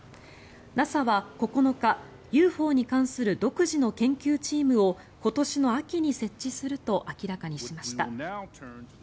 ＮＡＳＡは９日、ＵＦＯに関する独自の研究チームを今年の秋に設置すると明らかにしました。